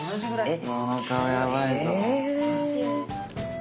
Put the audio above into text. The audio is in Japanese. え！